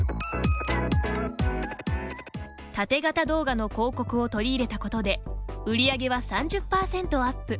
タテ型動画の広告を取り入れたことで、売り上げは３０％アップ。